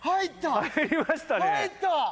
入りましたね。